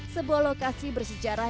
sebuah lokasi bersejarah